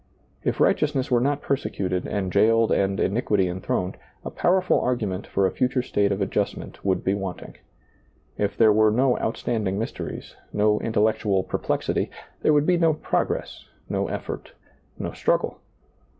If righteousness were not persecuted and jailed and iniquity enthroned, a powerful argument for a future state of adjustment would be wanting. If there were no outstanding mysteries, no intel lectual perplexity, there would be no progress, no effort, no struggle.